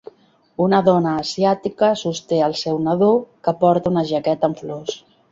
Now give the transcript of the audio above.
Una dona asiàtica sosté el seu nadó, que porta una jaqueta amb flors.